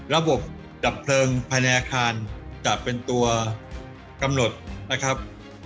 ระบบดับเพลิงภายในอาคารจะเป็นตัวกำหนดนะครับ